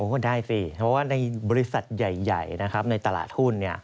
ก็ได้สิเพราะว่าในบริษัทใหญ่นะครับในตลาดหุ้น